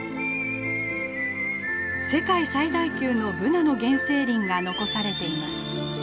世界最大級のブナの原生林が残されています。